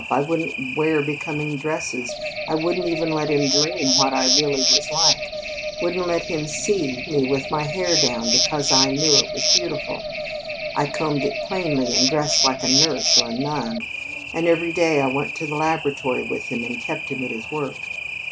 I wouldn't wear becoming dresses; I wouldn't even let him dream what I really was like wouldn't let him see me with my hair down because I knew it was beautiful. I combed it plainly and dressed like a nurse or a nun, and every day I went to the laboratory with him and kept him at his work.